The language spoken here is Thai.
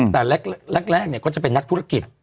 แต่แรกก็จะเป็นนักธุรกิจ